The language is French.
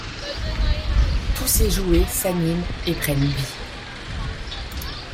Tous ces jouets s'animent et prennent vie.